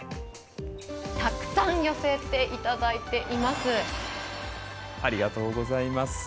たくさん寄せていただいています。